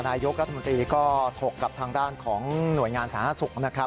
นายกรัฐมนตรีก็ถกกลับทางด้านของหน่วยงานสหสุทธิ์